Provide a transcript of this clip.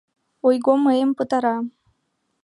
Ойго мыйым пытара.